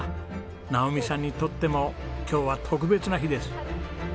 直己さんにとっても今日は特別な日です。